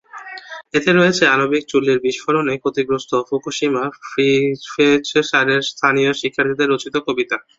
এতে রয়েছে আণবিক চুল্লির বিস্ফোরণে ক্ষতিগ্রস্ত ফুকুশিমা-প্রিফেকচারের স্থানীয় শিক্ষার্থীদের রচিত কবিতা।